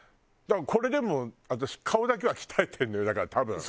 だからこれでも私顔だけは鍛えてるのよ多分。